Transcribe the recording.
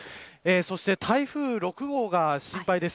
そして台風６号が心配です。